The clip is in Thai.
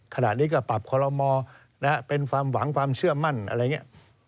ขณะนี้ก็ปรับคอลโลมอเป็นความหวังความเชื่อมั่นอะไรอย่างนี้